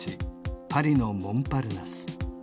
パリのモンパルナス